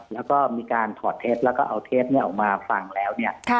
แล้วก็มีการถอดเท็จแล้วก็เอาเทปนี้ออกมาฟังแล้วเนี่ย